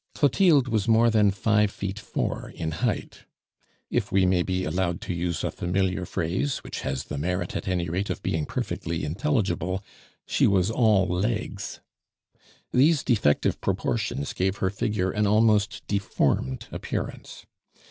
Clotilde was more than five feet four in height; if we may be allowed to use a familiar phrase, which has the merit at any rate of being perfectly intelligible she was all legs. These defective proportions gave her figure an almost deformed appearance.